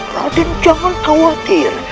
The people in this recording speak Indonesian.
raden jangan khawatir